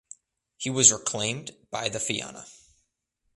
He was reclaimed by the Fianna.